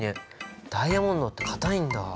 ダイヤモンドって硬いんだ。